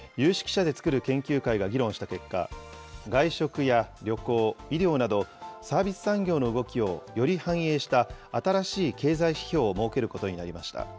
このため、有識者で作る研究会が議論した結果、外食や旅行、医療など、サービス産業の動きをより反映した新しい経済指標を設けることになりました。